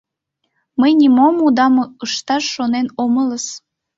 — Мый нимом удам ышташ шонен омылыс.